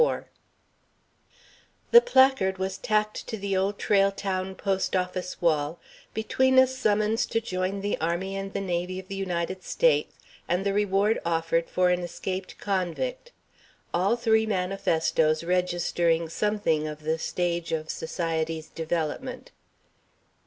IV The placard was tacked to the Old Trail Town post office wall, between a summons to join the Army and the Navy of the United States, and the reward offered for an escaped convict all three manifestoes registering something of the stage of society's development.